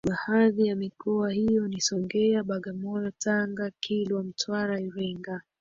baadhi ya mikoa hio ni songea bagamoyo Tanga kilwa mtwara iringa